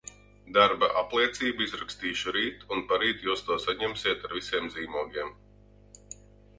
Darba apliecību izrakstīšu rīt un parīt jūs to saņemsiet ar visiem zīmogiem.